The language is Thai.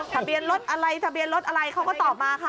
ทะเบียนรถอะไรทะเบียนรถอะไรเขาก็ตอบมาค่ะ